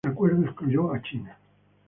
El acuerdo excluyó a China.